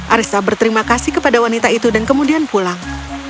arissa berterima kasih kepada wanita itu dan kemudian pulang